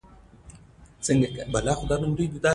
په افغانستان کې د سیلابونو لپاره ډېرې منابع شته دي.